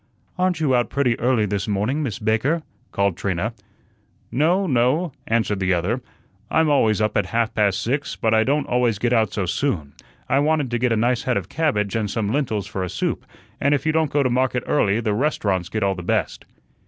"Aren't you out pretty early this morning, Miss Baker?" called Trina. "No, no," answered the other. "I'm always up at half past six, but I don't always get out so soon. I wanted to get a nice head of cabbage and some lentils for a soup, and if you don't go to market early, the restaurants get all the best."